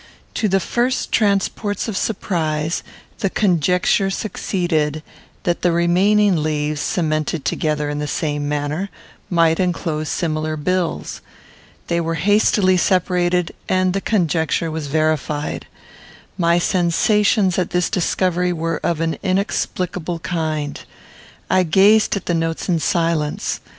To the first transports of surprise, the conjecture succeeded, that the remaining leaves, cemented together in the same manner, might enclose similar bills. They were hastily separated, and the conjecture was verified. My sensations at this discovery were of an inexplicable kind. I gazed at the notes in silence.